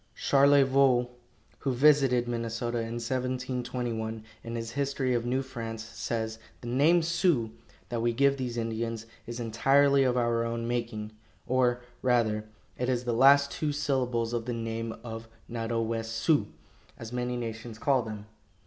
Charlevoix, who visited Minnesota in 1721, in his history of New France, says: "The name 'Sioux,' that we give these Indians, is entirely of our own making; or, rather, it is the last two syllables of the name of 'Nadowessioux,' as many nations call them."